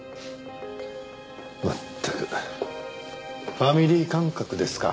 まったくファミリー感覚ですか。